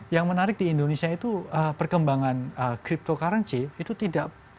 yang menarik di indonesia itu perkembangan cryptocurrency itu tidak